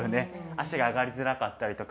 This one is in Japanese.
足が上がりづらかったりとか。